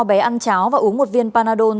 bé ăn cháo và uống một viên panadol